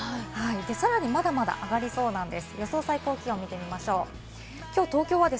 さらにまだまだ上がりそうなんです。